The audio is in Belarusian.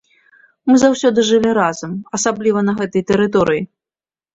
Мы заўсёды жылі разам, асабліва на гэтай тэрыторыі.